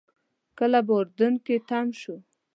کله به اردن کې تم شو.